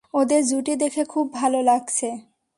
ওদের জুটি দেখে খুব ভাল লাগছে।